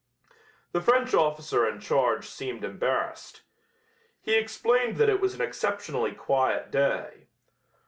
The French officer in charge seemed embarrassed. He explained that it was an exceptionally quiet day.